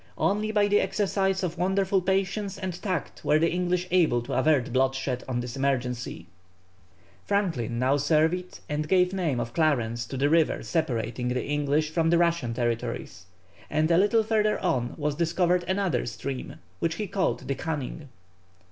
Only by the exercise of wonderful patience and tact were the English able to avert bloodshed on this emergency. Franklin now surveyed and gave the name of Clarence to the river separating the English from the Russian territories, and a little further on was discovered another stream, which he called the Canning.